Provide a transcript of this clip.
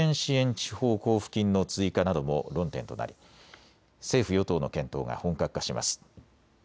地方交付金の追加なども論点となり政府与党の検討が本格化します。